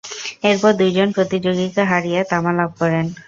এরপর দুইজন প্রতিযোগীকে হারিয়ে তামা লাভ করেন।